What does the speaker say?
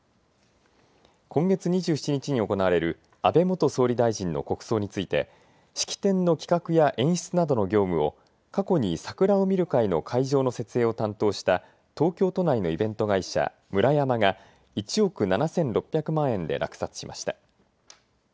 今月２７日に行われる安倍元総理大臣の国葬について式典の企画や演出などの業務を過去に桜を見る会の会場の設営を担当した東京都内のイベント会社、ムラヤマが１億７６００万円で落札しました。